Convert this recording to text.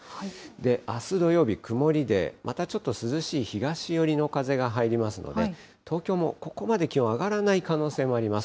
あす土曜日曇りで、またちょっと涼しい東寄りの風が入りますので、東京もここまで気温上がらない可能性もあります。